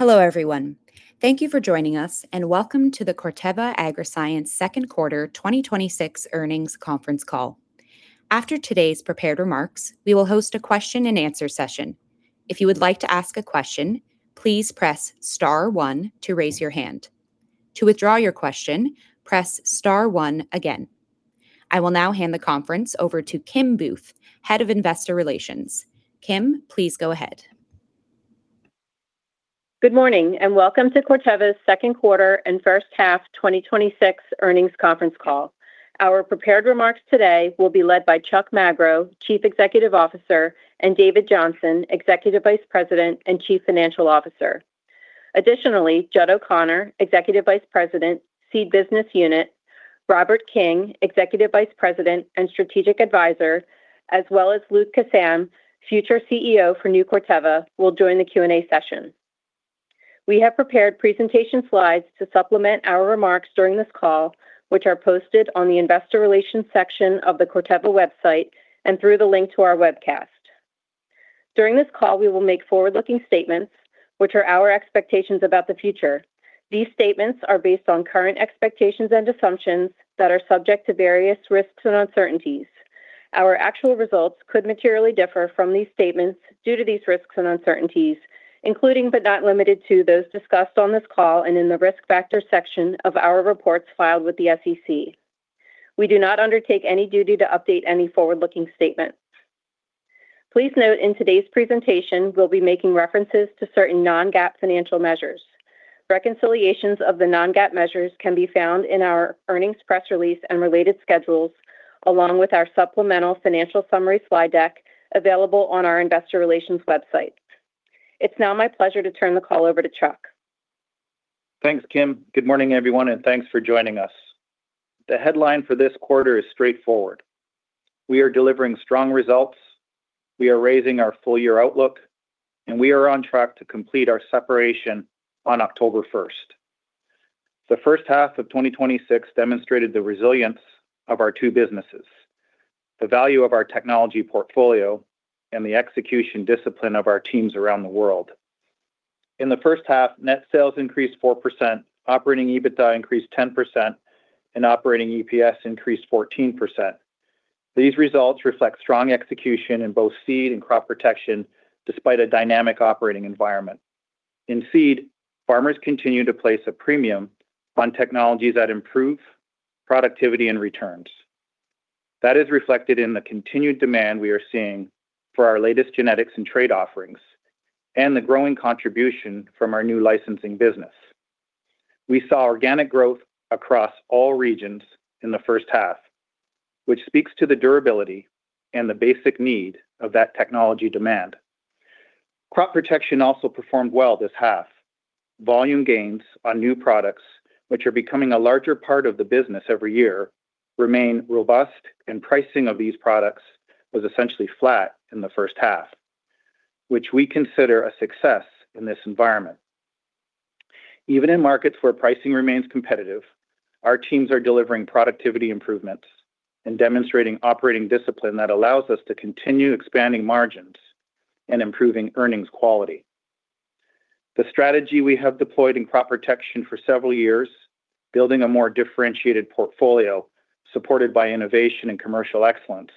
Hello, everyone. Thank you for joining us, and welcome to the Corteva Agriscience second quarter 2026 earnings conference call. After today's prepared remarks, we will host a question-and-answer session. If you would like to ask a question, please press star one to raise your hand. To withdraw your question, press star one again. I will now hand the conference over to Kim Booth, Head of Investor Relations. Kim, please go ahead. Good morning. Welcome to Corteva's second quarter and first half 2026 earnings conference call. Our prepared remarks today will be led by Chuck Magro, Chief Executive Officer, and David Johnson, Executive Vice President and Chief Financial Officer. Additionally, Judd O'Connor, Executive Vice President, Seed Business Unit, Robert King, Executive Vice President and Strategic Advisor, as well as Luke Kissam, future CEO for New Corteva, will join the Q&A session. We have prepared presentation slides to supplement our remarks during this call, which are posted on the investor relations section of the Corteva website and through the link to our webcast. During this call, we will make forward-looking statements, which are our expectations about the future. These statements are based on current expectations and assumptions that are subject to various risks and uncertainties. Our actual results could materially differ from these statements due to these risks and uncertainties, including, but not limited to, those discussed on this call and in the risk factor section of our reports filed with the SEC. We do not undertake any duty to update any forward-looking statements. Please note in today's presentation, we will be making references to certain non-GAAP financial measures. Reconciliations of the non-GAAP measures can be found in our earnings press release and related schedules, along with our supplemental financial summary slide deck, available on our investor Relations website. It is now my pleasure to turn the call over to Chuck. Thanks, Kim. Good morning, everyone. Thanks for joining us. The headline for this quarter is straightforward. We are delivering strong results, we are raising our full-year outlook, and we are on track to complete our separation on October 1st. The first half of 2026 demonstrated the resilience of our two businesses, the value of our technology portfolio, and the execution discipline of our teams around the world. In the first half, net sales increased 4%, Operating EBITDA increased 10%, and Operating EPS increased 14%. These results reflect strong execution in both seed and crop protection, despite a dynamic operating environment. In seed, farmers continue to place a premium on technologies that improve productivity and returns. That is reflected in the continued demand we are seeing for our latest genetics and trait offerings and the growing contribution from our new licensing business. We saw organic growth across all regions in the first half, which speaks to the durability and the basic need of that technology demand. Crop Protection also performed well this half. Volume gains on new products, which are becoming a larger part of the business every year, remain robust, and pricing of these products was essentially flat in the first half, which we consider a success in this environment. Even in markets where pricing remains competitive, our teams are delivering productivity improvements and demonstrating operating discipline that allows us to continue expanding margins and improving earnings quality. The strategy we have deployed in Crop Protection for several years, building a more differentiated portfolio supported by innovation and commercial excellence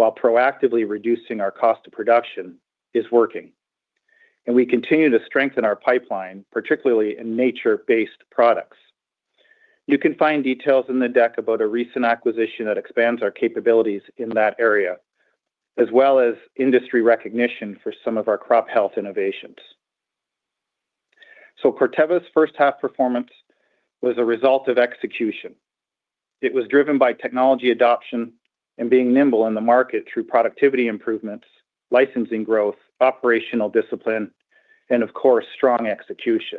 while proactively reducing our cost of production, is working, and we continue to strengthen our pipeline, particularly in nature-based products. You can find details in the deck about a recent acquisition that expands our capabilities in that area, as well as industry recognition for some of our crop health innovations. Corteva's first half performance was a result of execution. It was driven by technology adoption and being nimble in the market through productivity improvements, licensing growth, operational discipline, and of course, strong execution.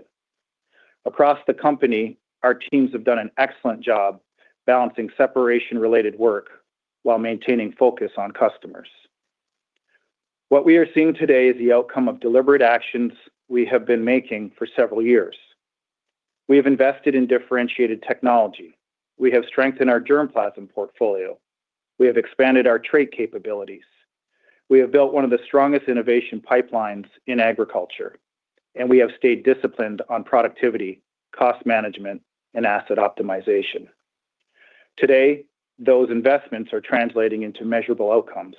Across the company, our teams have done an excellent job balancing separation-related work while maintaining focus on customers. What we are seeing today is the outcome of deliberate actions we have been making for several years. We have invested in differentiated technology. We have strengthened our germplasm portfolio. We have expanded our trait capabilities. We have built one of the strongest innovation pipelines in agriculture, and we have stayed disciplined on productivity, cost management, and asset optimization. Today, those investments are translating into measurable outcomes.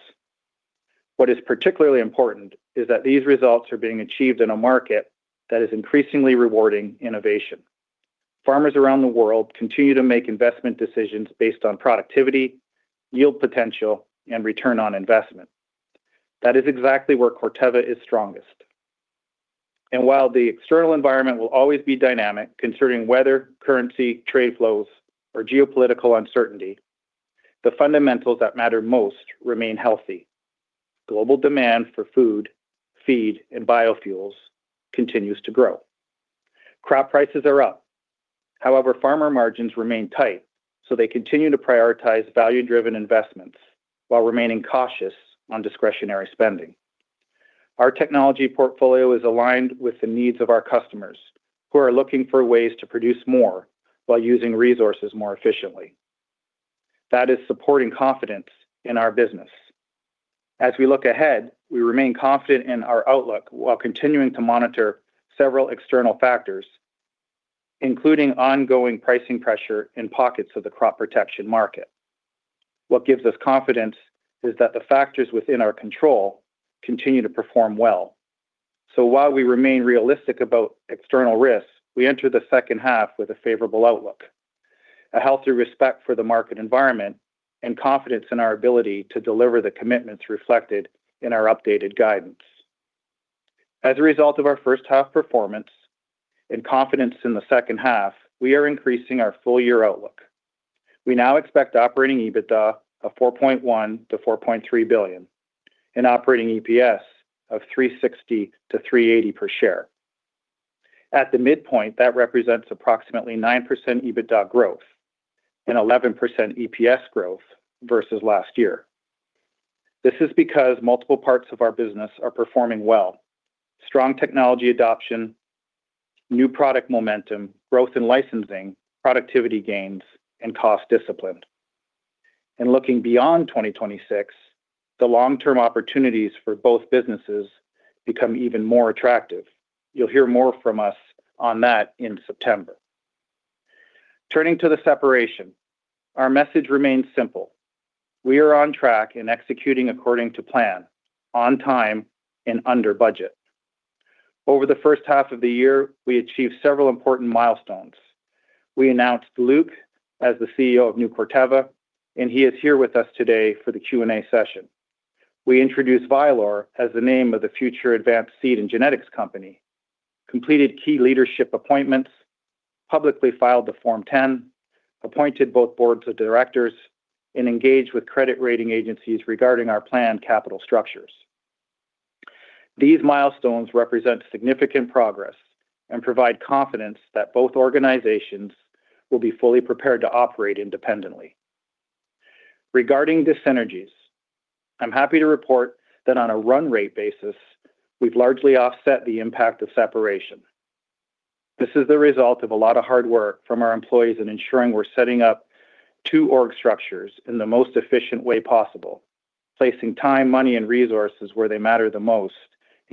What is particularly important is that these results are being achieved in a market that is increasingly rewarding innovation. Farmers around the world continue to make investment decisions based on productivity, yield potential, and return on investment. That is exactly where Corteva is strongest. While the external environment will always be dynamic concerning weather, currency, trade flows, or geopolitical uncertainty, the fundamentals that matter most remain healthy. Global demand for food, feed, and biofuels continues to grow. Crop prices are up. However, farmer margins remain tight, so they continue to prioritize value-driven investments while remaining cautious on discretionary spending. Our technology portfolio is aligned with the needs of our customers who are looking for ways to produce more while using resources more efficiently. That is supporting confidence in our business. As we look ahead, we remain confident in our outlook while continuing to monitor several external factors, including ongoing pricing pressure in pockets of the Crop Protection market. What gives us confidence is that the factors within our control continue to perform well. While we remain realistic about external risks, we enter the second half with a favorable outlook, a healthy respect for the market environment, and confidence in our ability to deliver the commitments reflected in our updated guidance. As a result of our first half performance and confidence in the second half, we are increasing our full-year outlook. We now expect Operating EBITDA of $4.1 billion-$4.3 billion and Operating EPS of $3.60-$3.80 per share. At the midpoint, that represents approximately 9% EBITDA growth and 11% EPS growth versus last year. This is because multiple parts of our business are performing well. Strong technology adoption, new product momentum, growth in licensing, productivity gains, and cost discipline. Looking beyond 2026, the long-term opportunities for both businesses become even more attractive. You'll hear more from us on that in September. Turning to the separation, our message remains simple. We are on track and executing according to plan, on time, and under budget. Over the first half of the year, we achieved several important milestones. We announced Luke as the CEO of New Corteva, and he is here with us today for the Q&A session. We introduced Vylor as the name of the future advanced seed and genetics company, completed key leadership appointments, publicly filed the Form 10, appointed both boards of directors, and engaged with credit rating agencies regarding our planned capital structures. These milestones represent significant progress and provide confidence that both organizations will be fully prepared to operate independently. Regarding dis-synergies, I'm happy to report that on a run rate basis, we've largely offset the impact of separation. This is the result of a lot of hard work from our employees in ensuring we're setting up two org structures in the most efficient way possible, placing time, money, and resources where they matter the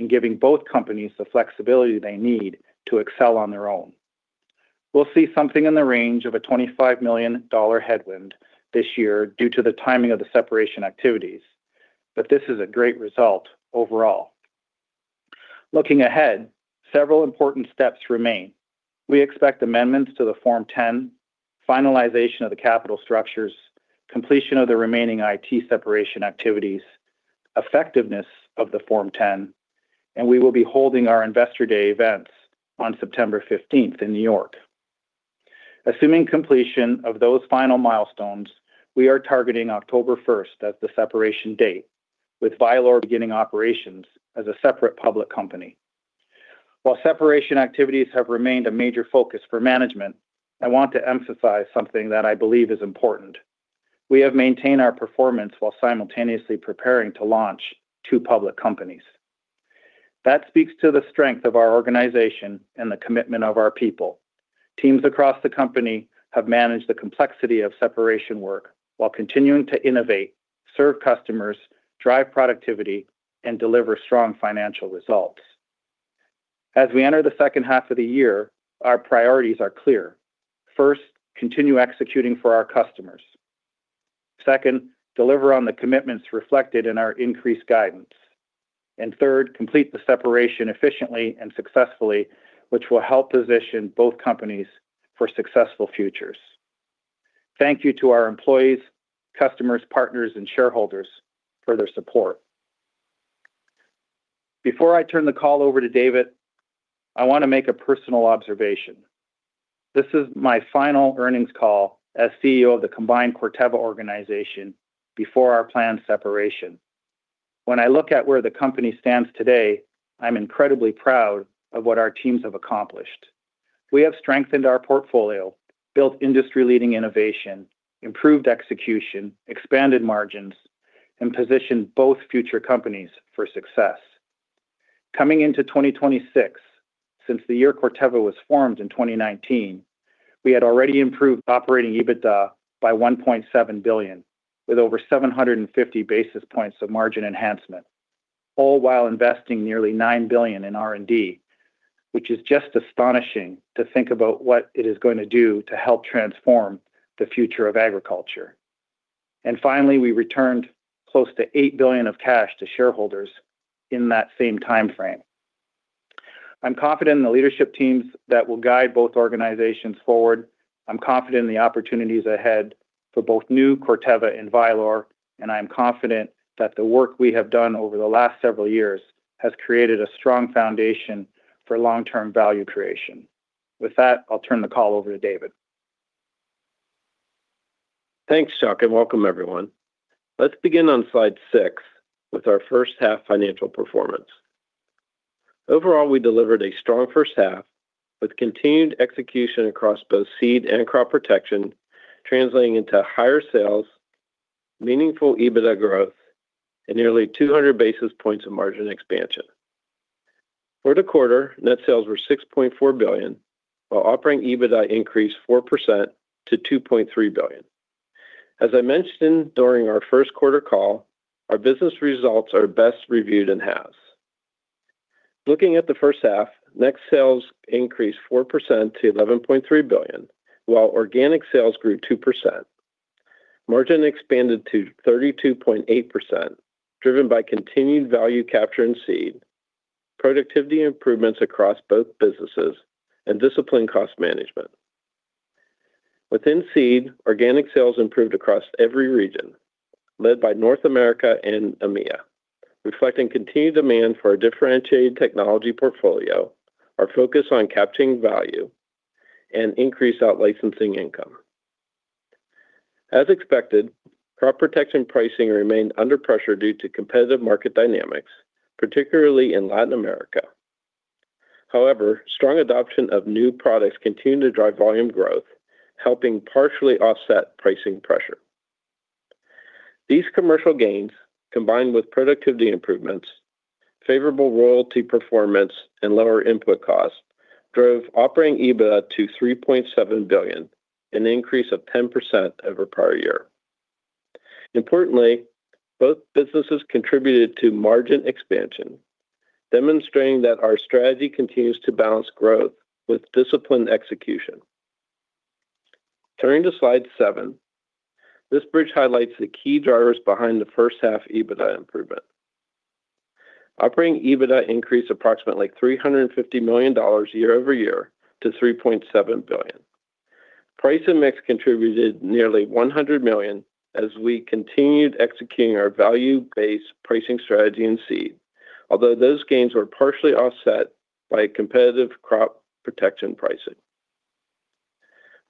most, and giving both companies the flexibility they need to excel on their own. We'll see something in the range of a $25 million headwind this year due to the timing of the separation activities, but this is a great result overall. Looking ahead, several important steps remain. We expect amendments to the Form 10, finalization of the capital structures, completion of the remaining IT separation activities, effectiveness of the Form 10, and we will be holding our Investor Day events on September 15th in New York. Assuming completion of those final milestones, we are targeting October 1st as the separation date, with Vylor beginning operations as a separate public company. While separation activities have remained a major focus for management, I want to emphasize something that I believe is important. We have maintained our performance while simultaneously preparing to launch two public companies. That speaks to the strength of our organization and the commitment of our people. Teams across the company have managed the complexity of separation work while continuing to innovate, serve customers, drive productivity, and deliver strong financial results. As we enter the second half of the year, our priorities are clear. First, continue executing for our customers. Second, deliver on the commitments reflected in our increased guidance. And third, complete the separation efficiently and successfully, which will help position both companies for successful futures. Thank you to our employees, customers, partners, and shareholders for their support. Before I turn the call over to David, I want to make a personal observation. This is my final earnings call as CEO of the combined Corteva organization before our planned separation. When I look at where the company stands today, I'm incredibly proud of what our teams have accomplished. We have strengthened our portfolio, built industry-leading innovation, improved execution, expanded margins, and positioned both future companies for success. Coming into 2026, since the year Corteva was formed in 2019, we had already improved Operating EBITDA by $1.7 billion, with over 750 basis points of margin enhancement, all while investing nearly $9 billion in R&D, which is just astonishing to think about what it is going to do to help transform the future of agriculture. Finally, we returned close to $8 billion of cash to shareholders in that same time frame. I'm confident in the leadership teams that will guide both organizations forward. I'm confident in the opportunities ahead for both New Corteva and Vylor, and I am confident that the work we have done over the last several years has created a strong foundation for long-term value creation. With that, I'll turn the call over to David. Thanks, Chuck, and welcome, everyone. Let's begin on slide six with our first-half financial performance. Overall, we delivered a strong first half with continued execution across both seed and crop protection, translating into higher sales, meaningful EBITDA growth, and nearly 200 basis points of margin expansion. For the quarter, net sales were $6.4 billion, while Operating EBITDA increased 4% to $2.3 billion. As I mentioned during our first quarter call, our business results are best reviewed in halves. Looking at the first half, net sales increased 4% to $11.3 billion, while organic sales grew 2%. Margin expanded to 32.8%, driven by continued value capture in seed, productivity improvements across both businesses, and disciplined cost management. Within seed, organic sales improved across every region, led by North America and EMEA, reflecting continued demand for our differentiated technology portfolio, our focus on capturing value, and increased out-licensing income. As expected, crop protection pricing remained under pressure due to competitive market dynamics, particularly in Latin America. However, strong adoption of new products continued to drive volume growth, helping partially offset pricing pressure. These commercial gains, combined with productivity improvements, favorable royalty performance, and lower input costs, drove Operating EBITDA to $3.7 billion, an increase of 10% over prior year. Importantly, both businesses contributed to margin expansion, demonstrating that our strategy continues to balance growth with disciplined execution. Turning to slide seven. This bridge highlights the key drivers behind the first half EBITDA improvement. Operating EBITDA increased approximately $350 million year-over-year to $3.7 billion. Price and mix contributed nearly $100 million as we continued executing our value-based pricing strategy in seed, although those gains were partially offset by competitive crop protection pricing.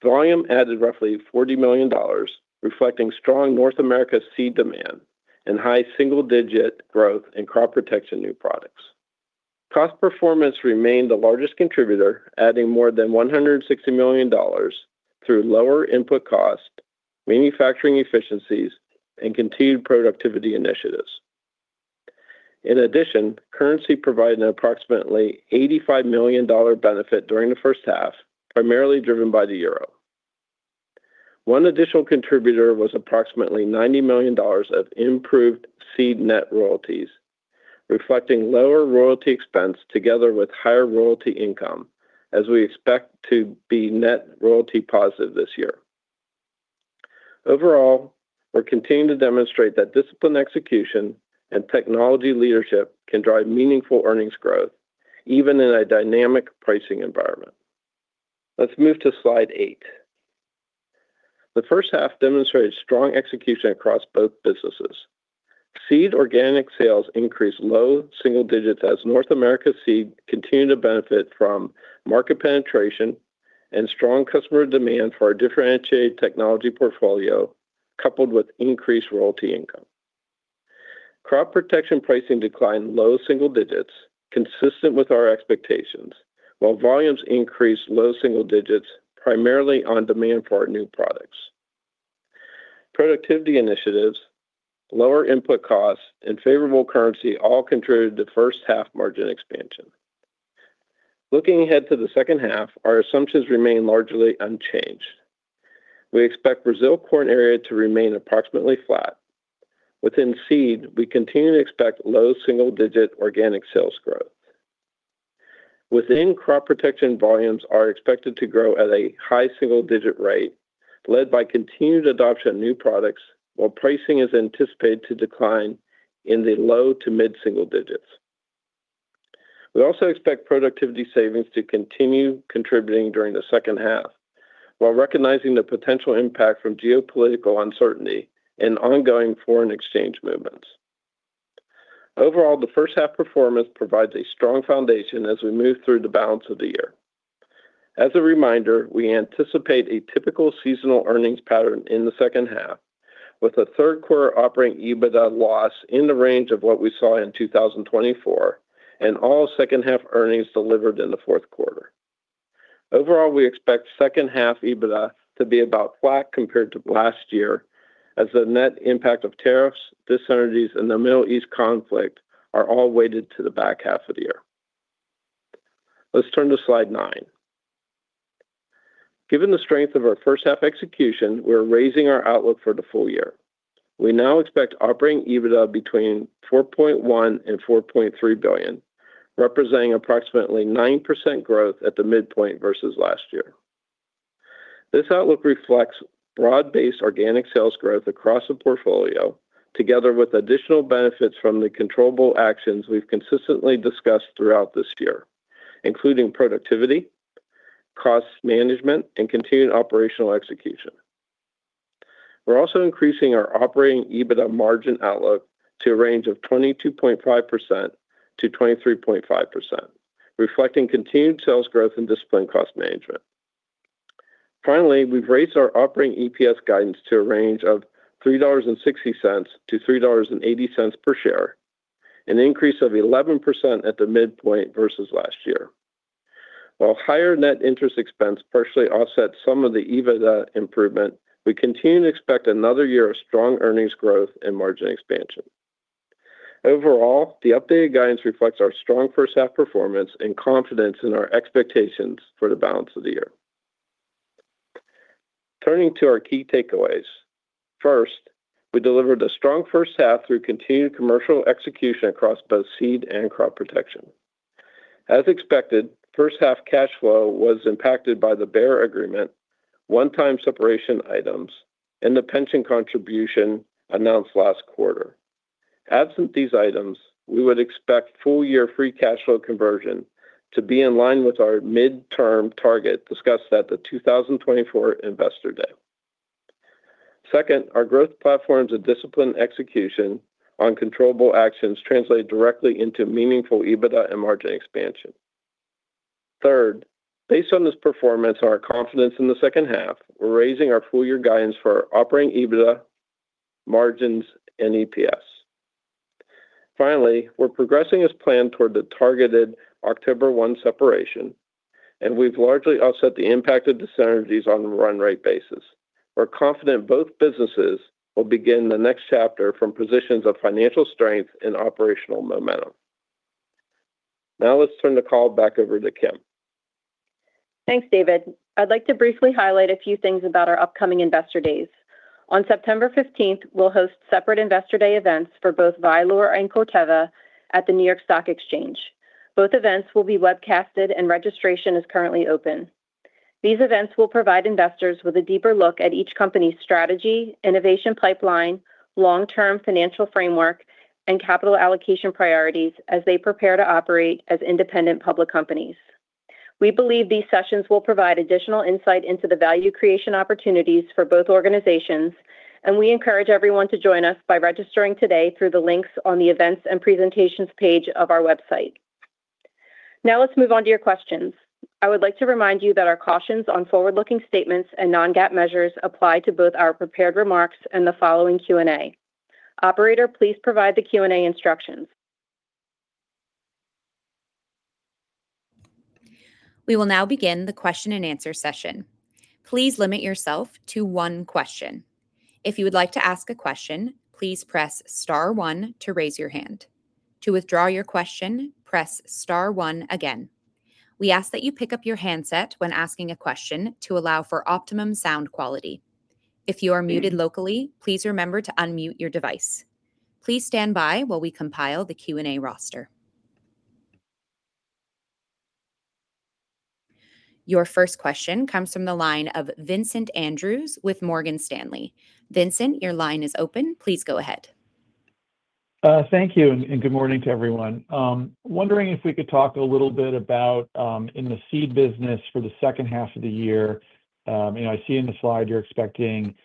Volume added roughly $40 million, reflecting strong North America seed demand and high single-digit growth in crop protection new products. Cost performance remained the largest contributor, adding more than $160 million through lower input cost, manufacturing efficiencies, and continued productivity initiatives. In addition, currency provided an approximately $85 million benefit during the first half, primarily driven by the euro. One additional contributor was approximately $90 million of improved seed net royalties, reflecting lower royalty expense together with higher royalty income, as we expect to be net royalty positive this year. Overall, we're continuing to demonstrate that disciplined execution and technology leadership can drive meaningful earnings growth, even in a dynamic pricing environment. Let's move to slide eight. The first half demonstrated strong execution across both businesses. Seed organic sales increased low single digits as North America seed continued to benefit from market penetration and strong customer demand for our differentiated technology portfolio, coupled with increased royalty income. Crop Protection pricing declined low-single-digits, consistent with our expectations, while volumes increased low-single-digits, primarily on demand for our new products. Productivity initiatives, lower input costs, and favorable currency all contributed to first half margin expansion. Looking ahead to the second half, our assumptions remain largely unchanged. We expect Brazil corn area to remain approximately flat. Within seed, we continue to expect low-double-digit organic sales growth. Within Crop Protection, volumes are expected to grow at a high-single-digit rate, led by continued adoption of new products, while pricing is anticipated to decline in the low to mid-single digits. We also expect productivity savings to continue contributing during the second half, while recognizing the potential impact from geopolitical uncertainty and ongoing foreign exchange movements. Overall, the first half performance provides a strong foundation as we move through the balance of the year. As a reminder, we anticipate a typical seasonal earnings pattern in the second half, with a third quarter operating EBITDA loss in the range of what we saw in 2024 and all second half earnings delivered in the fourth quarter. Overall, we expect second half EBITDA to be about flat compared to last year as the net impact of tariffs, dis-synergies in the Middle East conflict are all weighted to the back half of the year. Let's turn to slide nine. Given the strength of our first half execution, we are raising our outlook for the full year. We now expect operating EBITDA between $4.1 billion-$4.3 billion, representing approximately 9% growth at the midpoint versus last year. This outlook reflects broad-based organic sales growth across the portfolio, together with additional benefits from the controllable actions we have consistently discussed throughout this year, including productivity, cost management, and continued operational execution. We are also increasing our operating EBITDA margin outlook to a range of 22.5%-23.5%, reflecting continued sales growth and disciplined cost management. Finally, we have raised our operating EPS guidance to a range of $3.60-$3.80 per share, an increase of 11% at the midpoint versus last year. While higher net interest expense partially offsets some of the EBITDA improvement, we continue to expect another year of strong earnings growth and margin expansion. Overall, the updated guidance reflects our strong first-half performance and confidence in our expectations for the balance of the year. Turning to our key takeaways. First, we delivered a strong first half through continued commercial execution across both seed and Crop Protection. As expected, first-half cash flow was impacted by the Bayer Agreement, one-time separation items, and the pension contribution announced last quarter. Absent these items, we would expect full-year free cash flow conversion to be in line with our mid-term target discussed at the 2024 Investor Day. Second, our growth platforms and disciplined execution on controllable actions translate directly into meaningful EBITDA and margin expansion. Third, based on this performance and our confidence in the second half, we are raising our full-year guidance for operating EBITDA margins and EPS. Finally, we are progressing as planned toward the targeted October 1 separation, and we have largely offset the impact of dis-synergies on a run rate basis. We are confident both businesses will begin the next chapter from positions of financial strength and operational momentum. Now, let's turn the call back over to Kim. Thanks, David. I'd like to briefly highlight a few things about our upcoming Investor Day. On September 15th, we'll host separate Investor Day events for both Vylor and Corteva at the New York Stock Exchange. Both events will be webcasted and registration is currently open. These events will provide investors with a deeper look at each company's strategy, innovation pipeline, long-term financial framework, and capital allocation priorities as they prepare to operate as independent public companies. We believe these sessions will provide additional insight into the value creation opportunities for both organizations, and we encourage everyone to join us by registering today through the links on the Events and Presentations page of our website. Now, let's move on to your questions. I would like to remind you that our cautions on forward-looking statements and non-GAAP measures apply to both our prepared remarks and the following Q&A. Operator, please provide the Q&A instructions. We will now begin the question-and-answer session. Please limit yourself to one question. If you would like to ask a question, please press star-one to raise your hand. To withdraw your question, press star-one again. We ask that you pick up your handset when asking a question to allow for optimum sound quality. If you are muted locally, please remember to unmute your device. Please stand by while we compile the Q&A roster. Your first question comes from the line of Vincent Andrews with Morgan Stanley. Vincent, your line is open. Please go ahead. Thank you, and good morning to everyone. Wondering if we could talk a little bit about in the seed business for the second half of the year. I see in the slide you're expecting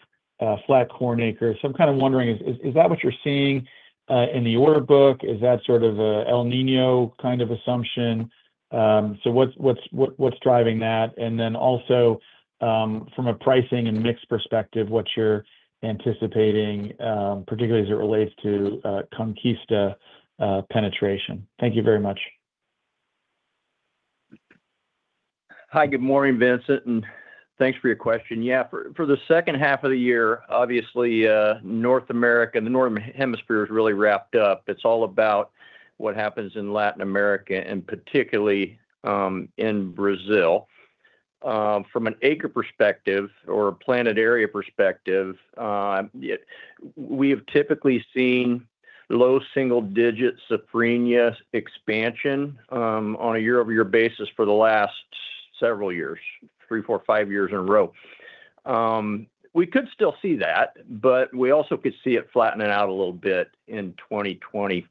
flat corn acres. I'm kind of wondering, is that what you're seeing in the order book? Is that sort of a El Niño kind of assumption? What's driving that? From a pricing and mix perspective, what you're anticipating, particularly as it relates to Conkesta penetration. Thank you very much. Hi, good morning, Vincent, and thanks for your question. For the second half of the year, obviously, North America, the Northern Hemisphere is really wrapped up. It's all about what happens in Latin America and particularly, in Brazil. From an acre perspective or a planted area perspective, we have typically seen low-single-digit safrinha expansion on a year-over-year basis for the last several years, three, four, five years in a row. We could still see that, we also could see it flattening out a little bit in 2027.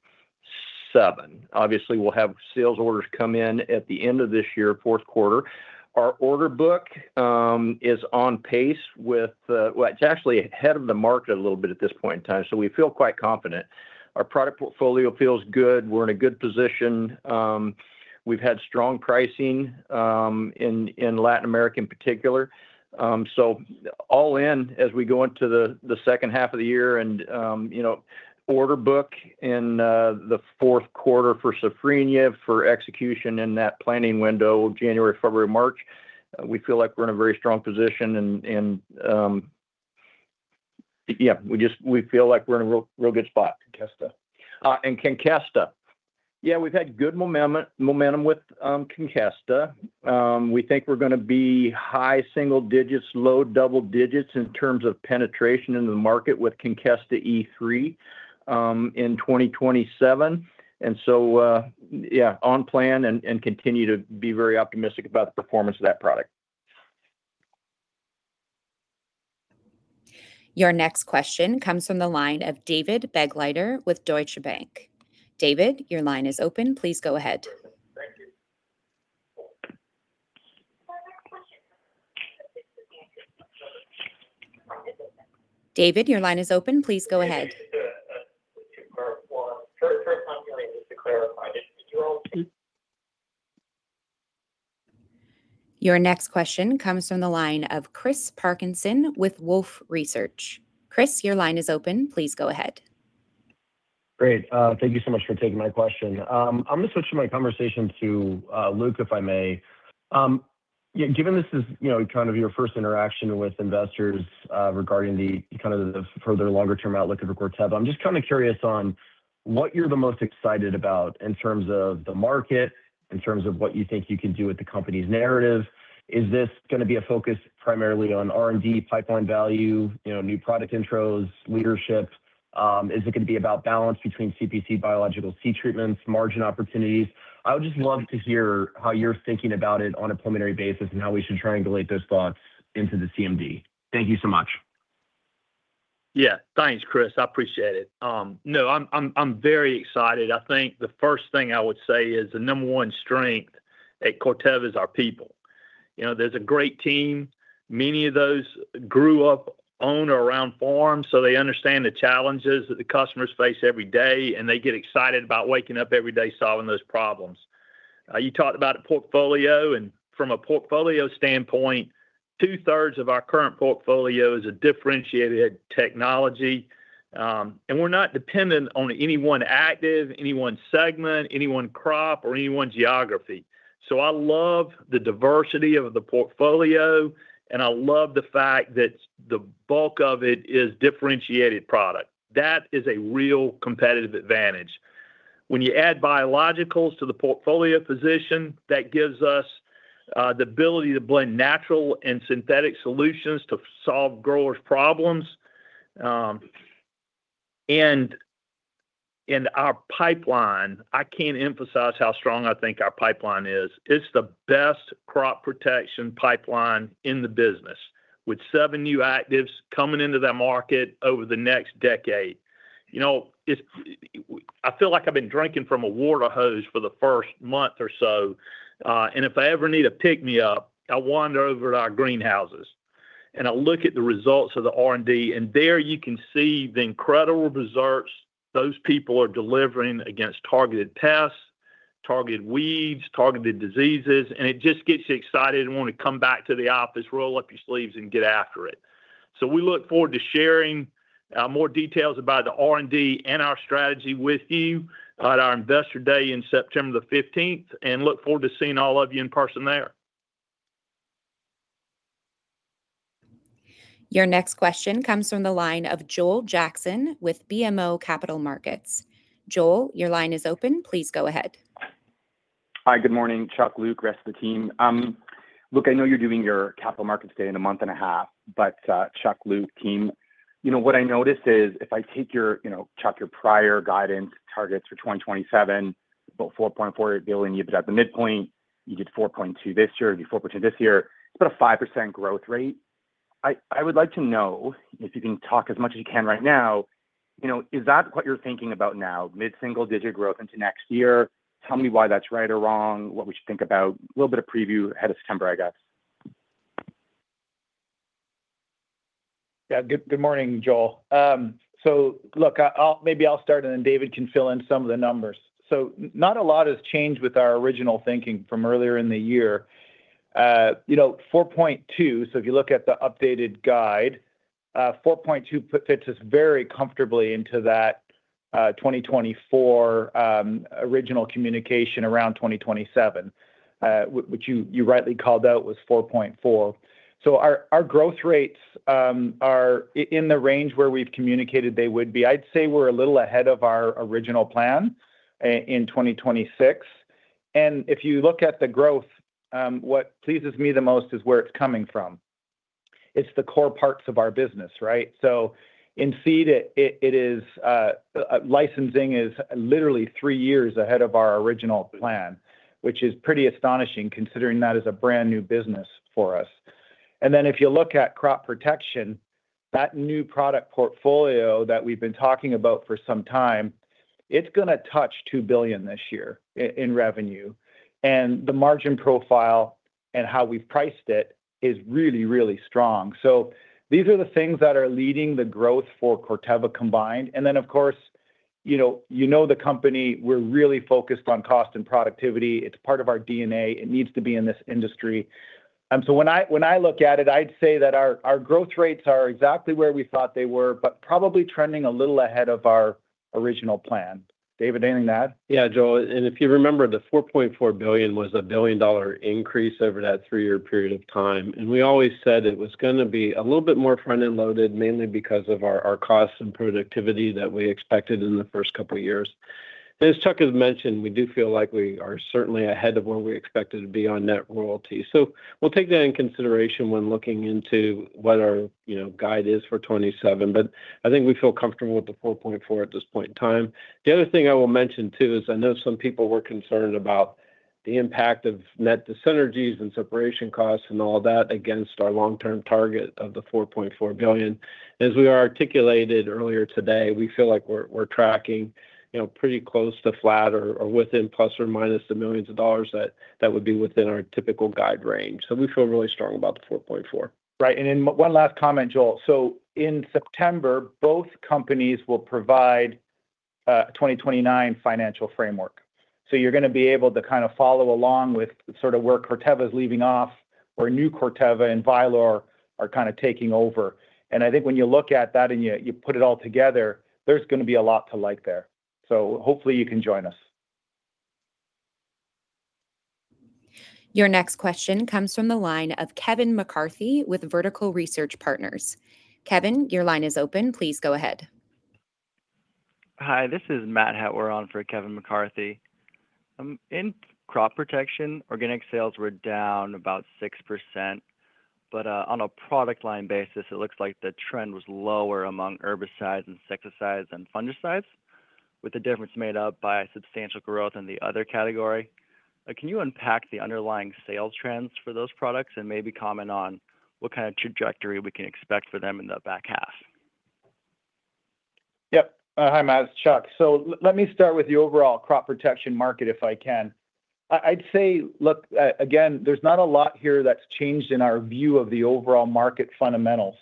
Obviously, we'll have sales orders come in at the end of this year, fourth quarter. Our order book is on pace with, it's actually ahead of the market a little bit at this point in time, we feel quite confident. Our product portfolio feels good. We're in a good position. We've had strong pricing in Latin America in particular. All in as we go into the second half of the year and order book in the fourth quarter for safrinha for execution in that planning window of January, February, March. We feel like we're in a very strong position, we feel like we're in a real good spot. Conkesta. Conkesta. We've had good momentum with Conkesta. We think we're going to be high-single-digits, low-double-digits in terms of penetration into the market with Conkesta E3 in 2027. On plan and continue to be very optimistic about the performance of that product. Your next question comes from the line of David Begleiter with Deutsche Bank. David, your line is open. Please go ahead. David, your line is open. Please go ahead. Just to clarify. First time dealing, did you all- Your next question comes from the line of Chris Parkinson with Wolfe Research. Chris, your line is open. Please go ahead. Great. Thank you so much for taking my question. I'm going to switch my conversation to Luke, if I may. Given this is your first interaction with investors regarding the further longer-term outlook of Corteva, I'm just curious on what you're the most excited about in terms of the market, in terms of what you think you can do with the company's narrative. Is this going to be a focus primarily on R&D pipeline value, new product intros, leadership? Is it going to be about balance between CP biological seed treatments, margin opportunities? I would just love to hear how you're thinking about it on a preliminary basis and how we should triangulate those thoughts into the CMD. Thank you so much. Yeah. Thanks, Chris. I appreciate it. No, I'm very excited. I think the first thing I would say is the number one strength at Corteva is our people. There's a great team. Many of those grew up on or around farms, so they understand the challenges that the customers face every day, and they get excited about waking up every day solving those problems. You talked about a portfolio, and from a portfolio standpoint, 2/3 of our current portfolio is a differentiated technology, and we're not dependent on any one active, any one segment, any one crop, or any one geography. I love the diversity of the portfolio, and I love the fact that the bulk of it is differentiated product. That is a real competitive advantage. When you add biologicals to the portfolio position, that gives us the ability to blend natural and synthetic solutions to solve growers' problems. Our pipeline, I can't emphasize how strong I think our pipeline is. It's the best crop protection pipeline in the business, with seven new actives coming into that market over the next decade. I feel like I've been drinking from a water hose for the first month or so, and if I ever need a pick-me-up, I wander over to our greenhouses and I look at the results of the R&D, and there you can see the incredible results those people are delivering against targeted pests, targeted weeds, targeted diseases, and it just gets you excited and want to come back to the office, roll up your sleeves, and get after it. We look forward to sharing more details about the R&D and our strategy with you at our Investor Day in September the 15th, and look forward to seeing all of you in person there. Your next question comes from the line of Joel Jackson with BMO Capital Markets. Joel, your line is open. Please go ahead. Hi, good morning, Chuck, Luke, rest of the team. Look, I know you're doing your Investor Day in a month and a half, but Chuck, Luke, team, what I noticed is if I take, Chuck, your prior guidance targets for 2027, about $4.4 billion, you put it at the midpoint, you did $4.2 billion this year. It's about a 5% growth rate. I would like to know if you can talk as much as you can right now, is that what you're thinking about now, mid-single-digit growth into next year? Tell me why that's right or wrong, what we should think about. A little bit of preview ahead of September, I guess. Yeah. Good morning, Joel. Look, maybe I'll start and then David can fill in some of the numbers. Not a lot has changed with our original thinking from earlier in the year. $4.2 billion, if you look at the updated guide, $4.2 billion fits us very comfortably into that 2024 original communication around 2027, which you rightly called out was $4.4 billion. Our growth rates are in the range where we've communicated they would be. I'd say we're a little ahead of our original plan in 2026. If you look at the growth, what pleases me the most is where it's coming from. It's the core parts of our business. In seed, licensing is literally three years ahead of our original plan, which is pretty astonishing considering that is a brand-new business for us. If you look at crop protection, that new-product portfolio that we've been talking about for some time, it's going to touch $2 billion this year in revenue, and the margin profile and how we've priced it is really, really strong. These are the things that are leading the growth for Corteva combined. Of course, you know the company, we're really focused on cost and productivity. It's part of our DNA. It needs to be in this industry. When I look at it, I'd say that our growth rates are exactly where we thought they were, but probably trending a little ahead of our original plan. David, anything to add? Yeah, Joel. If you remember, the $4.4 billion was a billion-dollar increase over that three-year period of time. We always said it was going to be a little bit more front-end loaded, mainly because of our costs and productivity that we expected in the first couple of years. As Chuck has mentioned, we do feel like we are certainly ahead of where we expected to be on net royalty. We'll take that into consideration when looking into what our guide is for 2027. I think we feel comfortable with the $4.4 at this point in time. The other thing I will mention, too, is I know some people were concerned about the impact of net dis-synergies and separation costs and all that against our long-term target of the $4.4 billion. As we articulated earlier today, we feel like we're tracking pretty close to flat or within ± the millions of dollars that would be within our typical guide range. We feel really strong about the $4.4. Right. One last comment, Joel. In September, both companies will provide 2029 financial framework. You're going to be able to follow along with where Corteva's leaving off, where New Corteva and Vylor are taking over. I think when you look at that and you put it all together, there's going to be a lot to like there. Hopefully you can join us. Your next question comes from the line of Kevin McCarthy with Vertical Research Partners. Kevin, your line is open. Please go ahead. Hi, this is Matt Hettwer on for Kevin McCarthy. In Crop Protection, organic sales were down about 6%, on a product-line basis, it looks like the trend was lower among herbicides, insecticides, and fungicides, with the difference made up by substantial growth in the other category. Can you unpack the underlying sales trends for those products and maybe comment on what kind of trajectory we can expect for them in the back half? Yep. Hi, Matt, it's Chuck. Let me start with the overall Crop Protection market, if I can. I'd say, look, again, there's not a lot here that's changed in our view of the overall market fundamentals.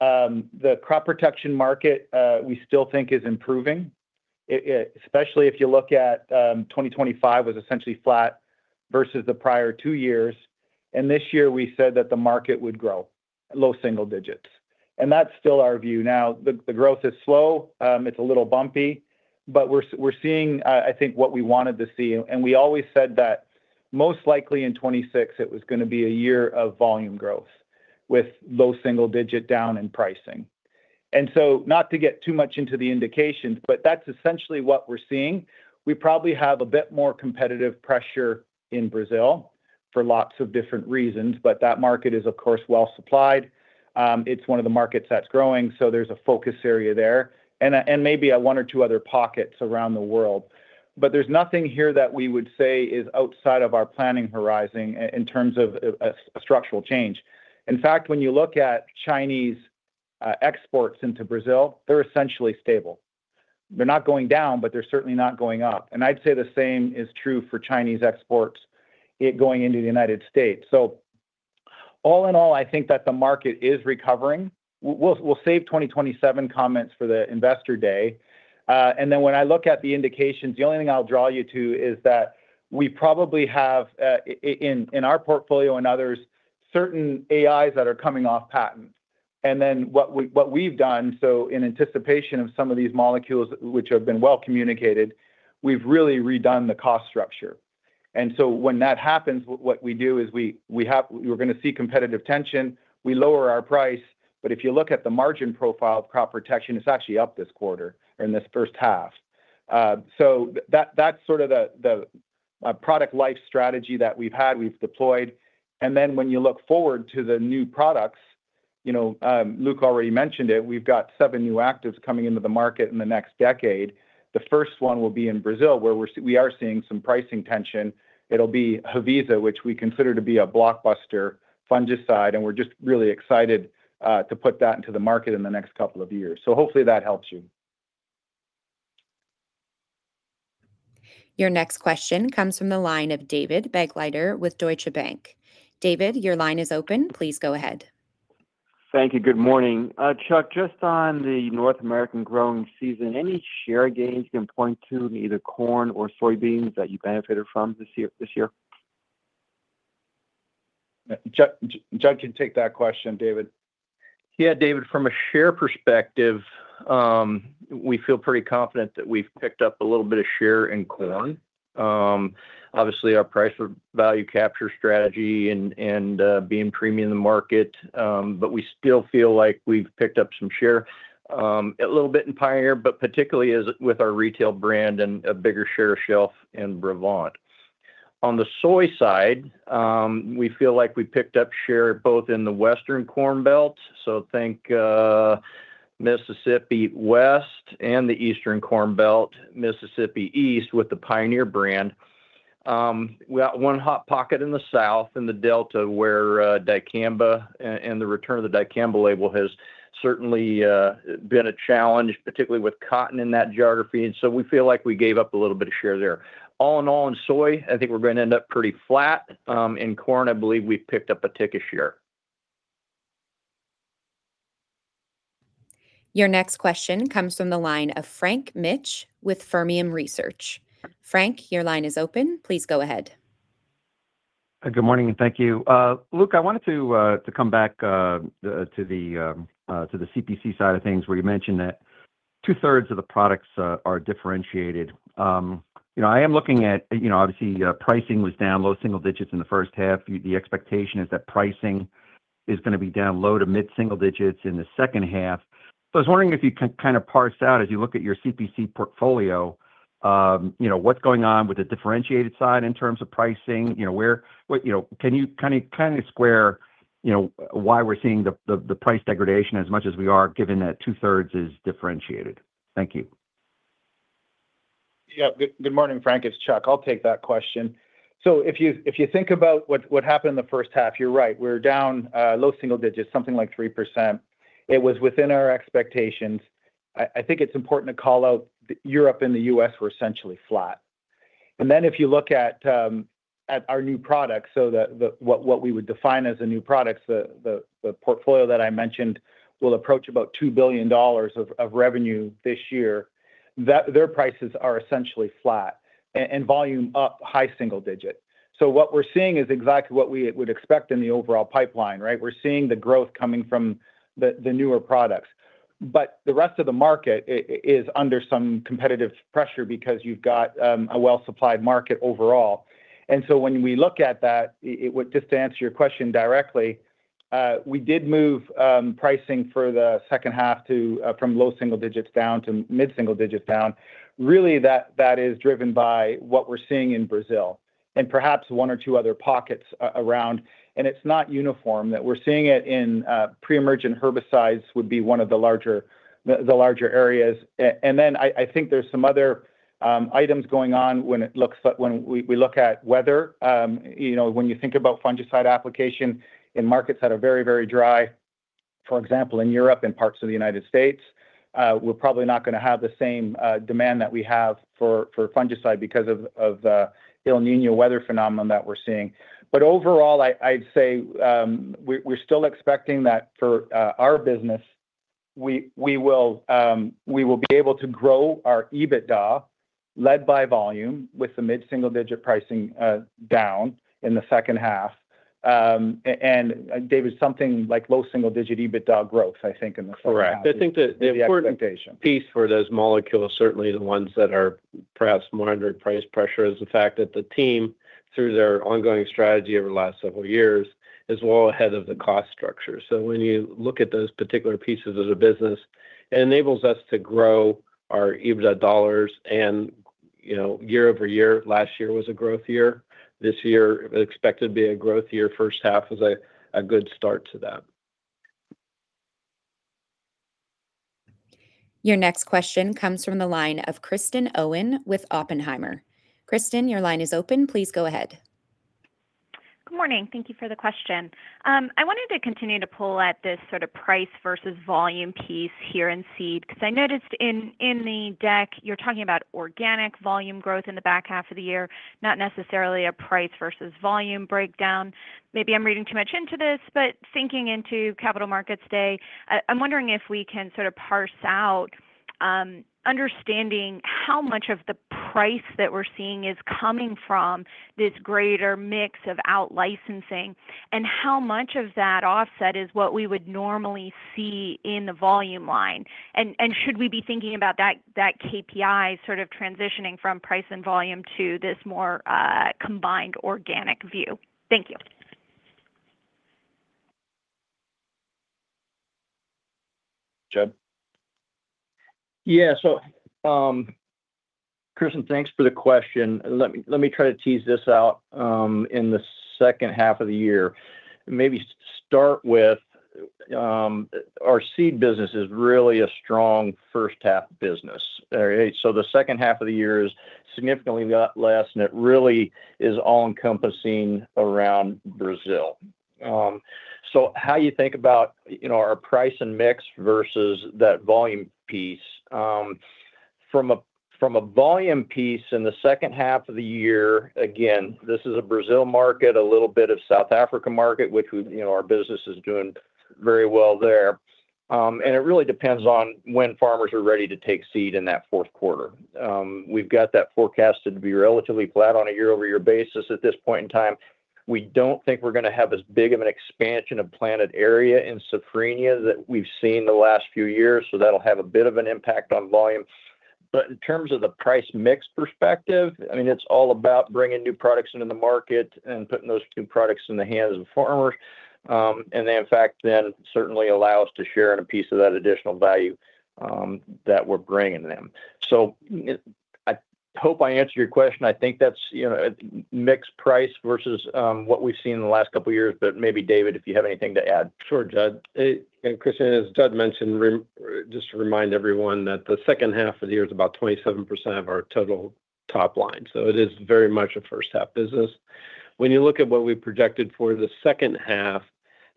The Crop Protection market we still think is improving, especially if you look at 2025 was essentially flat versus the prior two years. This year we said that the market would grow low-single-digits, that's still our view. The growth is slow. It's a little bumpy, but we're seeing, I think, what we wanted to see. We always said that most likely in 2026, it was going to be a year of volume growth with low-single-digit down in pricing. Not to get too much into the indications, but that's essentially what we're seeing. We probably have a bit more competitive pressure in Brazil for lots of different reasons. That market is, of course, well-supplied. It's one of the markets that's growing. There's a focus-area there and maybe one or two other pockets around the world. There's nothing here that we would say is outside of our planning horizon in terms of a structural change. In fact, when you look at Chinese exports into Brazil, they're essentially stable. They're not going down, but they're certainly not going up. I'd say the same is true for Chinese exports going into the United States. All in all, I think that the market is recovering. We'll save 2027 comments for the Investor Day. When I look at the indications, the only thing I'll draw you to is that we probably have, in our portfolio and others, certain AIs that are coming off patent. What we've done, in anticipation of some of these molecules which have been well communicated, we've really redone the cost structure. When that happens, what we do is we're going to see competitive tension, we lower our price. If you look at the margin profile of crop protection, it's actually up this quarter or in this first half. That's sort of the product life strategy that we've had, we've deployed. When you look forward to the new products, Luke already mentioned it, we've got seven new actives coming into the market in the next decade. The first one will be in Brazil, where we are seeing some pricing tension. It'll be Haviza, which we consider to be a blockbuster fungicide. We're just really excited to put that into the market in the next couple of years. Hopefully that helps you. Your next question comes from the line of David Begleiter with Deutsche Bank. David, your line is open. Please go ahead. Thank you. Good morning. Chuck, just on the North American growing season, any share gains you can point to in either corn or soybeans that you benefited from this year? Judd can take that question, David. David, from a share perspective, we feel pretty confident that we've picked up a little bit of share in corn. Obviously, our price-to-value capture strategy and being premium in the market, but we still feel like we've picked up some share, a little bit in Pioneer, but particularly with our retail brand and a bigger share of shelf in Brevant. On the soy side, we feel like we picked up share both in the Western corn belt, so think Mississippi West and the Eastern corn belt, Mississippi East with the Pioneer brand. We got one hot pocket in the south in the Delta, where the return of the dicamba label has certainly been a challenge, particularly with cotton in that geography. So we feel like we gave up a little bit of share there. All in all, in soy, I think we're going to end up pretty flat. In corn, I believe we picked up a tick of share. Your next question comes from the line of Frank Mitsch with Fermium Research. Frank, your line is open. Please go ahead. Good morning, and thank you. Luke, I wanted to come back to the CP side of things where you mentioned that 2/3 of the products are differentiated. I am looking at, obviously, pricing was down low-single-digits in the first half. The expectation is that pricing is going to be down low-to-mid-single-digits in the second half. I was wondering if you can kind of parse out as you look at your CP portfolio, what's going on with the differentiated side in terms of pricing. Can you square why we're seeing the price degradation as much as we are, given that 2/3 is differentiated? Thank you. Good morning, Frank, it's Chuck. I'll take that question. If you think about what happened in the first half, you're right. We're down low single digits, something like 3%. It was within our expectations. I think it's important to call out Europe and the U.S. were essentially flat. If you look at our new products, what we would define as the new products, the portfolio that I mentioned will approach about $2 billion of revenue this year. Their prices are essentially flat and volume up high-single-digit. What we're seeing is exactly what we would expect in the overall pipeline. We're seeing the growth coming from the newer products. The rest of the market is under some competitive pressure because you've got a well-supplied market overall. When we look at that, just to answer your question directly, we did move pricing for the second half from low-single-digits down to mid-single digits down. Really, that is driven by what we're seeing in Brazil and perhaps one or two other pockets around, and it's not uniform. We're seeing it in pre-emergent herbicides, would be one of the larger areas. I think there's some other items going on when we look at weather. When you think about fungicide application in markets that are very dry, for example, in Europe and parts of the United States, we're probably not going to have the same demand that we have for fungicide because of the El Niño weather phenomenon that we're seeing. Overall, I'd say we're still expecting that for our business, we will be able to grow our EBITDA, led by volume, with the mid-single-digit pricing down in the second half. David, something like low single-digit EBITDA growth, I think in the second half. Correct. I think. is the expectation important piece for those molecules, certainly the ones that are perhaps more under price pressure, is the fact that the team, through their ongoing strategy over the last several years, is well ahead of the cost structure. When you look at those particular pieces of the business, it enables us to grow our EBITDA dollars and year-over-year. Last year was a growth year. This year, expected to be a growth year. First half was a good start to that. Your next question comes from the line of Kristen Owen with Oppenheimer. Kristen, your line is open. Please go ahead. Good morning. Thank you for the question. I wanted to continue to pull at this sort of price-versus-volume piece here in seed, because I noticed in the deck, you're talking about organic volume growth in the back half of the year, not necessarily a price-versus-volume breakdown. Maybe I'm reading too much into this, but sinking into Capital Markets Day, I'm wondering if we can sort of parse out understanding how much of the price that we're seeing is coming from this greater mix of out-licensing, and how much of that offset is what we would normally see in the volume line. Should we be thinking about that KPI sort of transitioning from price and volume to this more combined organic view? Thank you. Judd? Kristen, thanks for the question. Let me try to tease this out. In the second half of the year, maybe start with our seed business is really a strong first-half business. The second half of the year is significantly less, and it really is all-encompassing around Brazil. How you think about our price and mix versus that volume piece. From a volume piece in the second half of the year, again, this is a Brazil market, a little bit of South Africa market, which our business is doing very well there. It really depends on when farmers are ready to take seed in that fourth quarter. We've got that forecasted to be relatively flat on a year-over-year basis at this point in time. We don't think we're going to have as big of an expansion of planted area in safrinha that we've seen the last few years, that'll have a bit of an impact on volume. In terms of the price-mix perspective, it's all about bringing new-products into the market and putting those new products in the hands of farmers. They, in fact, then certainly allow us to share in a piece of that additional value that we're bringing to them. I hope I answered your question. I think that's mixed price versus what we've seen in the last couple of years. Maybe David, if you have anything to add. Sure, Judd. Kristen, as Judd mentioned, just to remind everyone that the second half of the year is about 27% of our total top line. It is very much a first-half business. When you look at what we projected for the second half,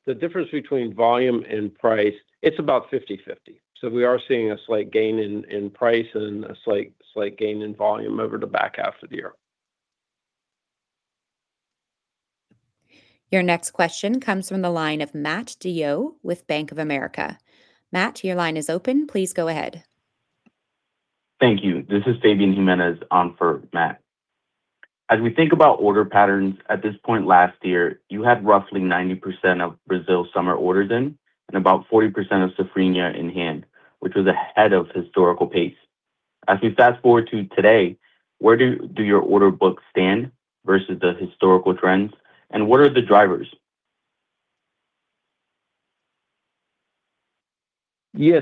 the difference between volume and price, it's about 50/50. We are seeing a slight gain in price and a slight gain in volume over the back half of the year. Your next question comes from the line of Matt DeYoe with Bank of America. Matt, your line is open. Please go ahead. Thank you. This is Fabian Jimenez on for Matt. As we think about order patterns, at this point last year, you had roughly 90% of Brazil summer orders in and about 40% of Safrinha in hand, which was ahead of historical pace. As we fast-forward to today, where do your order books stand versus the historical trends, and what are the drivers? Yeah.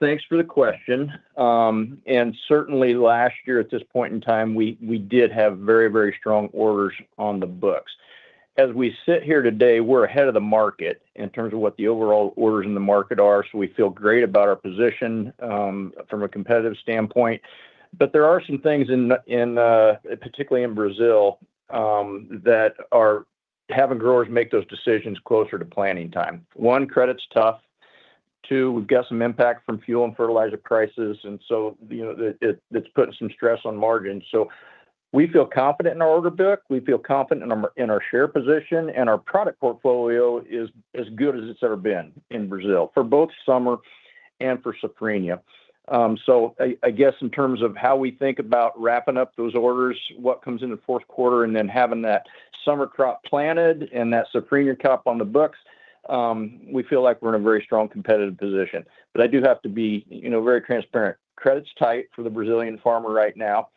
Thanks for the question. Certainly last year at this point in time, we did have very strong orders on the books. As we sit here today, we're ahead of the market in terms of what the overall orders in the market are, so we feel great about our position from a competitive standpoint. There are some things, particularly in Brazil, that are having growers make those decisions closer to planting time. One, credit's tough. Two, we've got some impact from fuel and fertilizer prices, and so it's putting some stress on margins. We feel confident in our order book, we feel confident in our share position, and our product portfolio is as good as it's ever been in Brazil for both summer and for Safrinha. I guess in terms of how we think about wrapping up those orders, what comes in the fourth quarter, and then having that summer crop planted and that Safrinha crop on the books, we feel like we're in a very strong competitive position. I do have to be very transparent. Credit's tight for the Brazilian farmer right now,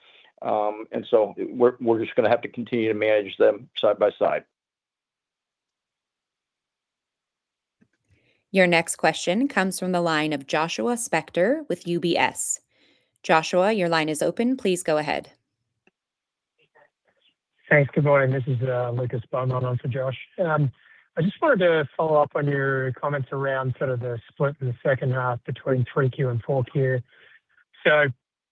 and so we're just going to have to continue to manage them side-by-side. Your next question comes from the line of Joshua Spector with UBS. Joshua, your line is open. Please go ahead. Thanks. Good morning. This is Lucas Beaumont on for Josh. I just wanted to follow up on your comments around the split in the second half between Q3 and Q4.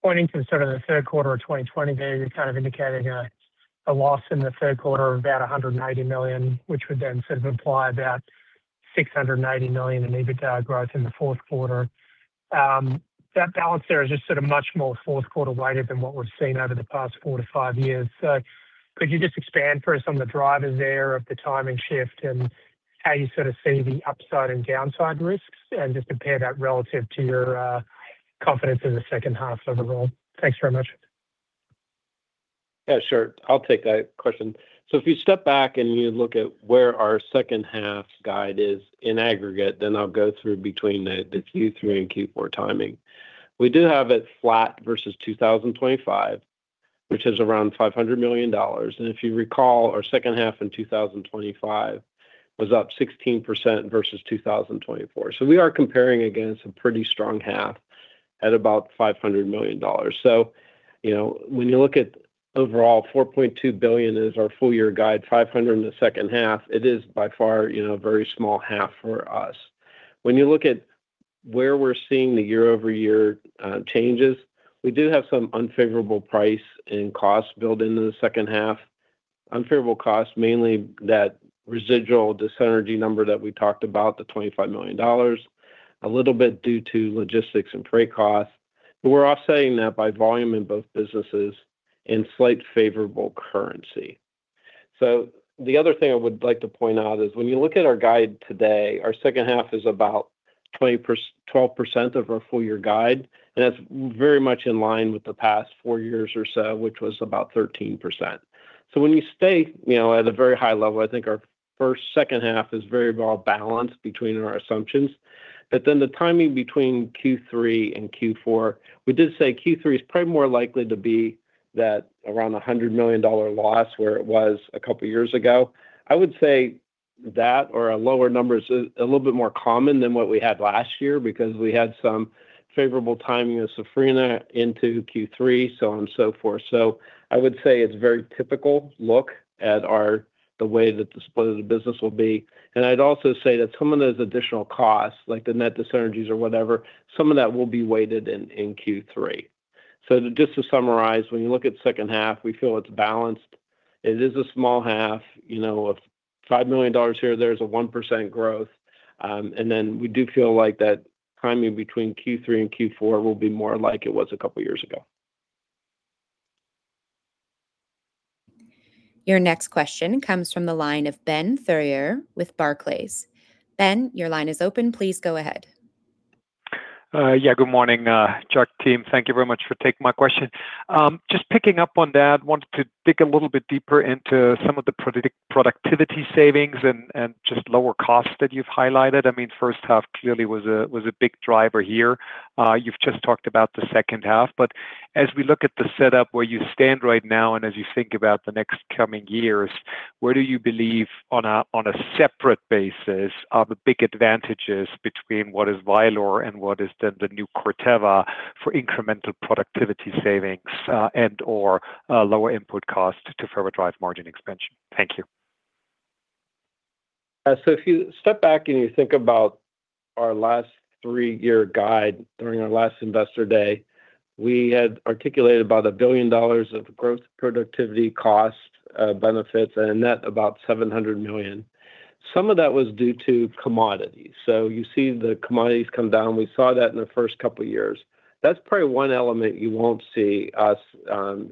Pointing to the third quarter of 2020 there, you're indicating a loss in the third quarter of about $190 million, which would then imply about $690 million in EBITDA growth in the fourth quarter. That balance there is just much more fourth-quarter-weighted than what we've seen over the past four to five years. Could you just expand for us on the drivers there of the timing shift and how you see the upside and downside risks, and just compare that relative to your confidence in the second half overall? Thanks very much. Yeah, sure. I'll take that question. If you step back and you look at where our second-half guide is in aggregate, then I'll go through between the Q3 and Q4 timing. We do have it flat versus 2025, which is around $500 million. If you recall, our second half in 2025 was up 16% versus 2024. We are comparing against a pretty strong half at about $500 million. When you look at overall, $4.2 billion is our full-year guide, $500 million in the second half, it is by far a very small half for us. When you look at where we're seeing the year-over-year changes, we do have some unfavorable price and cost built into the second half. Unfavorable cost, mainly that residual dis-synergy number that we talked about, the $25 million. A little bit due to logistics and freight costs. We're offsetting that by volume in both businesses and slight favorable currency. The other thing I would like to point out is when you look at our guide today, our second half is about 12% of our full year guide, and that's very much in line with the past four years or so, which was about 13%. When you stay at a very high level, I think our first, second half is very well-balanced between our assumptions. The timing between Q3 and Q4, we did say Q3 is probably more likely to be that around $100 million loss where it was a couple of years ago. I would say that or a lower number is a little bit more common than what we had last year because we had some favorable timing of Safrinha into Q3, so on and so forth. I would say it's very typical look at the way that the split of the business will be. I'd also say that some of those additional costs, like the net dis-synergies or whatever, some of that will be weighted in Q3. Just to summarize, when you look at second half, we feel it's balanced. It is a small half. Of $5 million here, there's a 1% growth. Then we do feel like that timing between Q3 and Q4 will be more like it was a couple of years ago. Your next question comes from the line of Ben Theurer with Barclays. Ben, your line is open. Please go ahead. Yeah, good morning, Chuck team. Thank you very much for taking my question. Just picking up on that, wanted to dig a little bit deeper into some of the productivity savings and just lower costs that you've highlighted. First half clearly was a big driver here. You've just talked about the second half. As we look at the setup where you stand right now and as you think about the next coming years, where do you believe on a separate basis are the big advantages between what is Vylor and what is then the New Corteva for incremental productivity savings and/or lower input costs to further drive margin expansion? Thank you. If you step back and you think about our last three-year guide during our last Investor Day, we had articulated about $1 billion of growth productivity cost benefits and a net about $700 million. Some of that was due to commodities. You see the commodities come down. We saw that in the first couple of years. That's probably one element you won't see us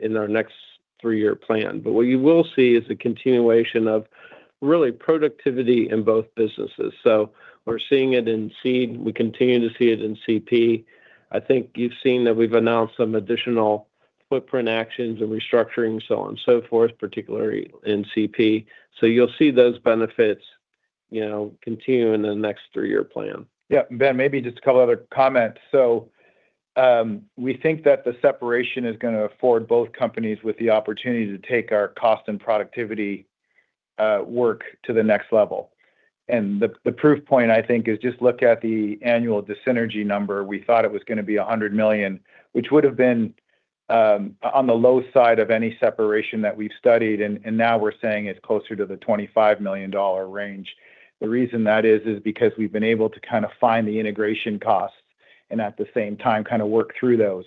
in our next three-year plan. What you will see is a continuation of really productivity in both businesses. We're seeing it in seed. We continue to see it in CP. I think you've seen that we've announced some additional footprint actions and restructuring, so on and so forth, particularly in CP. You'll see those benefits continue in the next three-year plan. Yeah. Ben, maybe just a couple other comments. We think that the separation is going to afford both companies with the opportunity to take our cost and productivity work to the next level. The proof point, I think, is just look at the annual dis-synergy number. We thought it was going to be $100 million, which would have been on the low side of any separation that we've studied, and now we're saying it's closer to the $25 million range. The reason that is because we've been able to kind of find the integration costs At the same time, work through those.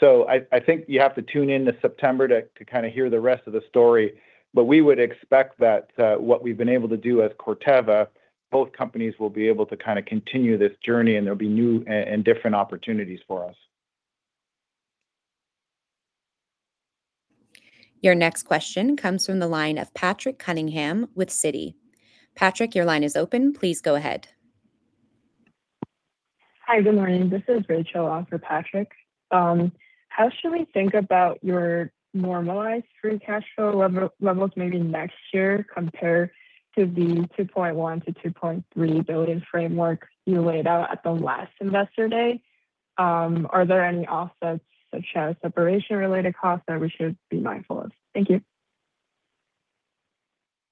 I think you have to tune in to September to hear the rest of the story. We would expect that what we've been able to do as Corteva, both companies will be able to continue this journey, and there'll be new and different opportunities for us. Your next question comes from the line of Patrick Cunningham with Citi. Patrick, your line is open. Please go ahead. Hi. Good morning. This is Rachel on for Patrick. How should we think about your normalized free-cash-flow levels maybe next year compared to the $2.1 billion to $2.3 billion framework you laid out at the last Investor Day? Are there any offsets, such as separation-related costs, that we should be mindful of? Thank you.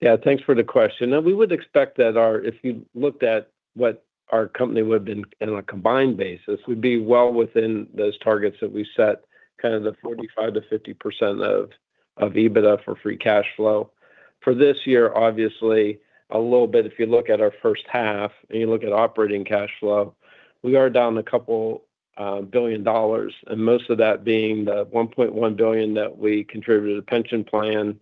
Yeah. Thanks for the question. We would expect that if you looked at what our company would've been on a combined basis, we'd be well within those targets that we set, the 45%-50% of EBITDA for free cash flow. For this year, obviously, a little bit, if you look at our first half and you look at operating cash flow, we are down $ a couple billion, and most of that being the $1.1 billion that we contributed to pension plan,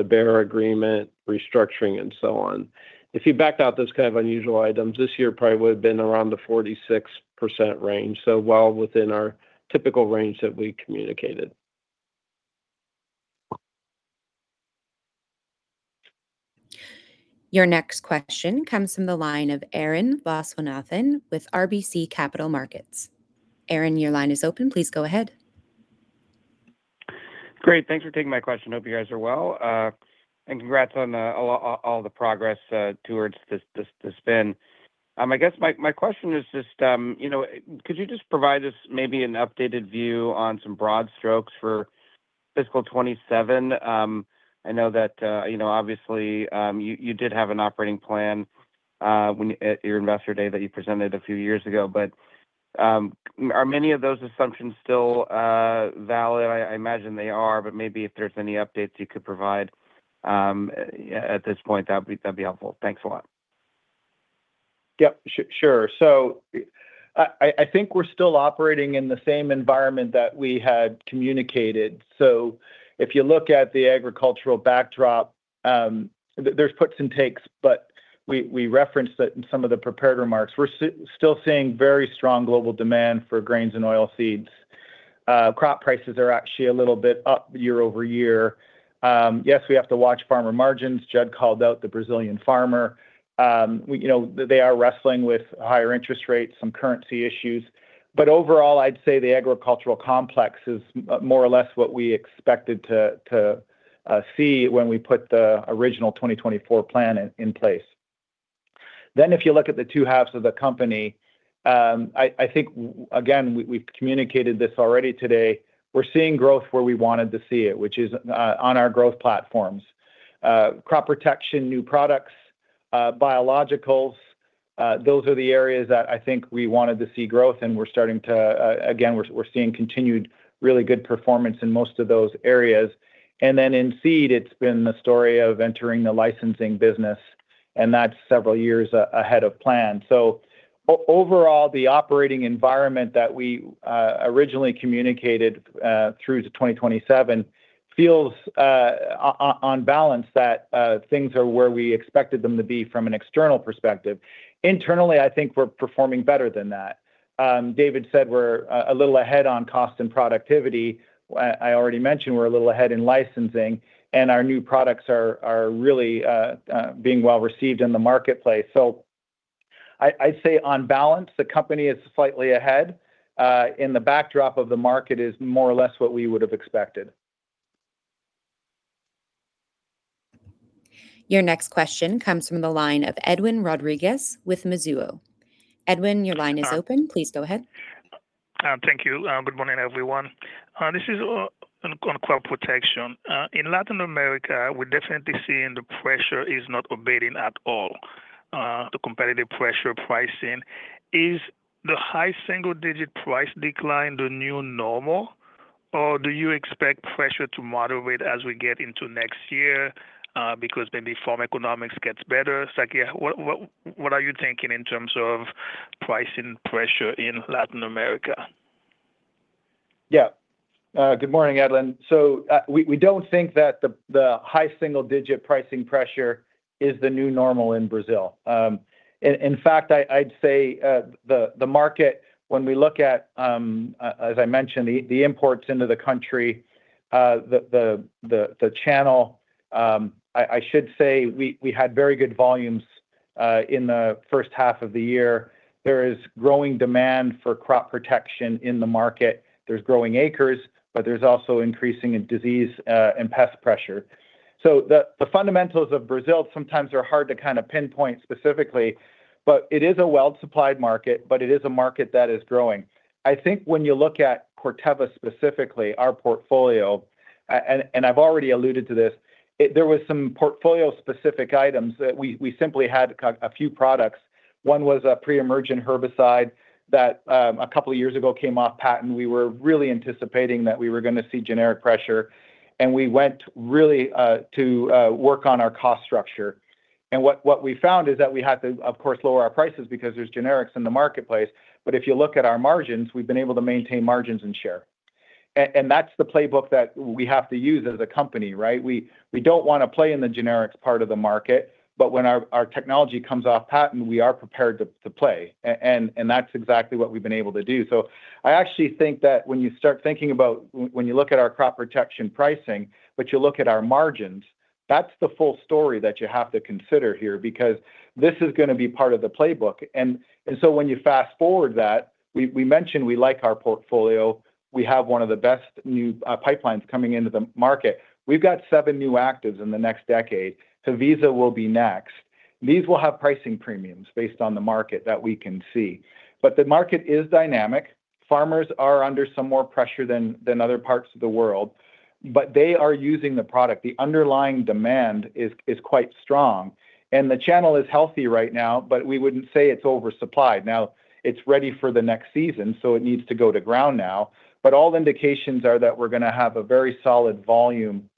the Bayer Agreement, restructuring and so on. If you backed out those kind of unusual items, this year probably would've been around the 46% range. Well within our typical range that we communicated. Your next question comes from the line of Arun Viswanathan with RBC Capital Markets. Arun, your line is open. Please go ahead. Great. Thanks for taking my question. Hope you guys are well, and congrats on all the progress towards the spin. I guess my question is just could you just provide us maybe an updated view on some broad strokes for fiscal 2027? I know that obviously, you did have an operating plan at your Investor Day that you presented a few years ago, but are many of those assumptions still valid? I imagine they are, but maybe if there's any updates you could provide at this point, that'd be helpful. Thanks a lot. Yep. Sure. I think we're still operating in the same environment that we had communicated. If you look at the agricultural backdrop, there's puts-and-takes, but we referenced it in some of the prepared remarks. We're still seeing very strong global demand for grains and oilseeds. Crop prices are actually a little bit up year-over-year. Yes, we have to watch farmer margins. Judd called out the Brazilian farmer. They are wrestling with higher interest rates, some currency issues. Overall, I'd say the agricultural complex is more or less what we expected to see when we put the original 2024 plan in place. If you look at the two halves of the company, I think, again, we've communicated this already today. We're seeing growth where we wanted to see it, which is on our growth platforms. Crop Protection, new products, biologicals, those are the areas that I think we wanted to see growth. Again, we're seeing continued really good performance in most of those areas. Then in seed, it's been the story of entering the licensing business, and that's several years ahead of plan. Overall, the operating environment that we originally communicated through to 2027 feels, on balance, that things are where we expected them to be from an external perspective. Internally, I think we're performing better than that. David said we're a little ahead on cost and productivity. I already mentioned we're a little ahead in licensing and our new products are really being well-received in the marketplace. I'd say on balance, the company is slightly ahead, and the backdrop of the market is more or less what we would've expected. Your next question comes from the line of Edlain Rodriguez with Mizuho. Edlain, your line is open. Please go ahead. Thank you. Good morning, everyone. This is on crop protection. In Latin America, we're definitely seeing the pressure is not abating at all, the competitive pressure pricing. Is the high-single-digit price decline the new normal, or do you expect pressure to moderate as we get into next year because maybe farm economics gets better? Chuck here, what are you thinking in terms of pricing pressure in Latin America? Yeah. Good morning, Edlain. We don't think that the high-single-digit pricing pressure is the new normal in Brazil. In fact, I'd say the market, when we look at, as I mentioned, the imports into the country, the channel, I should say we had very good volumes in the first half of the year. There is growing demand for crop protection in the market. There's growing acres, but there's also increasing in disease and pest-pressure. The fundamentals of Brazil sometimes are hard to kind of pinpoint specifically, but it is a well-supplied market, but it is a market that is growing. I think when you look at Corteva specifically, our portfolio, and I've already alluded to this, there was some portfolio-specific items that we simply had a few products. One was a pre-emergent herbicide that a couple of years ago came off-patent. We were really anticipating that we were going to see generic pressure, and we went really to work on our cost structure. What we found is that we had to, of course, lower our prices because there's generics in the marketplace. If you look at our margins, we've been able to maintain margins and share. That's the playbook that we have to use as a company, right? We don't want to play in the generics part of the market, but when our technology comes off patent, we are prepared to play. That's exactly what we've been able to do. I actually think that when you start thinking about when you look at our Crop Protection pricing, but you look at our margins, that's the full story that you have to consider here, because this is going to be part of the playbook. When you fast-forward that, we mentioned we like our portfolio. We have one of the best new pipelines coming into the market. We've got seven new actives in the next decade. Haviza will be next. These will have pricing premiums based on the market that we can see. The market is dynamic. Farmers are under some more pressure than other parts of the world, but they are using the product. The underlying demand is quite strong, and the channel is healthy right now, but we wouldn't say it's oversupplied. Now it's ready for the next season, so it needs to go to ground now. All indications are that we're going to have a very solid volume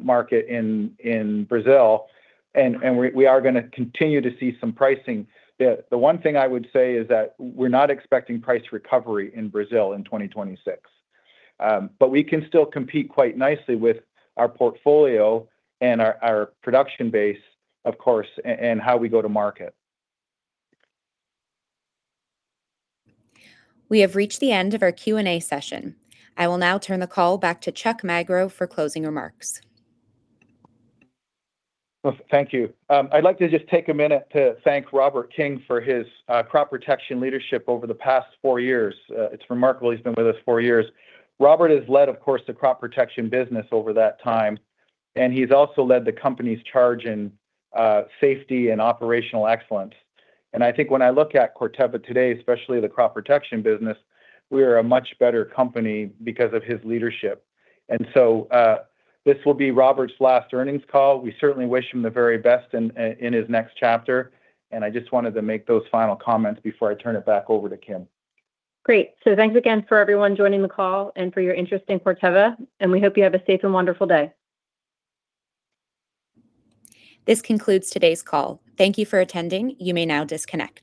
market in Brazil, and we are going to continue to see some pricing. The one thing I would say is that we're not expecting price recovery in Brazil in 2026. We can still compete quite nicely with our portfolio and our production base, of course, and how we go to market. We have reached the end of our Q&A session. I will now turn the call back to Chuck Magro for closing remarks. Well, thank you. I'd like to just take a minute to thank Robert King for his crop-protection leadership over the past four years. It's remarkable he's been with us four years. Robert has led, of course, the crop-protection business over that time, and he's also led the company's charge in safety and operational excellence. I think when I look at Corteva today, especially the crop-protection business, we are a much better company because of his leadership. This will be Robert's last earnings call. We certainly wish him the very best in his next chapter, and I just wanted to make those final comments before I turn it back over to Kim. Great. Thanks again for everyone joining the call and for your interest in Corteva, and we hope you have a safe and wonderful day. This concludes today's call. Thank you for attending. You may now disconnect.